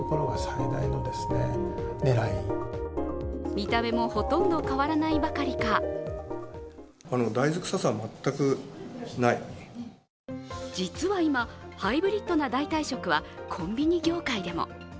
見た目もほとんど変わらないばかりか実は今、ハイブリッドな代替食はコンビニ業界でも。